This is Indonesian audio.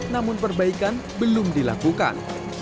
namun perbaikan belum dilakukan